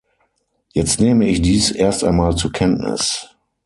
Jetzt nehme ich dies erst einmal zur Kenntnis.